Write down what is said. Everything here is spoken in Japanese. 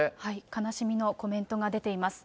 悲しみのコメントが出ています。